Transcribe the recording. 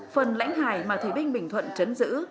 phần lãnh hải mà thủy binh bình thuận chấn giữ